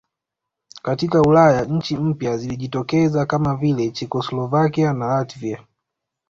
Katika Ulaya nchi mpya zilijitokeza kama vile Chekoslovakia na Latvia